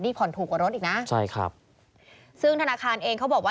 นี่ผ่อนถูกกว่ารถอีกนะใช่ครับซึ่งธนาคารเองเขาบอกว่า